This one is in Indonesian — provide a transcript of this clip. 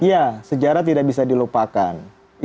ya sejarah tidak bisa dilupakan